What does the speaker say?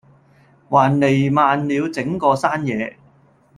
還漓漫了整個山野